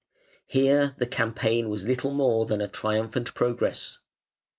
Here the campaign was little more than a triumphant progress.